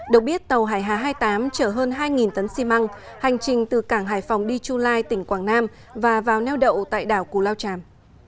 được biết tàu hải hà hai mươi tám chở hơn hai tấn xi măng hành trình từ cảng hải phòng đi chu lai tỉnh quảng nam và vào neo đậu tại đảo cù lao tràm